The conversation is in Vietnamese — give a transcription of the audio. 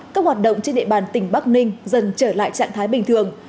các hoạt động trên địa bàn tỉnh bắc ninh dần trở lại trạng thái bình thường